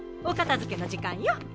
お片づけの時間よ。